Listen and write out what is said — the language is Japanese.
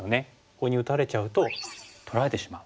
ここに打たれちゃうと取られてしまう。